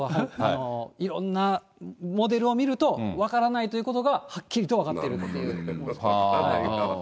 いろんなモデルを見ると、分からないということがはっきりと分かっていると。